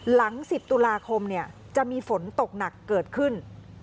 หลัง๑๐ตุลาคมจะมีฝนตกหนักเกิดขึ้น